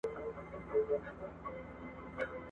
که لکه شمع ستا په لاره کي مشل نه یمه ..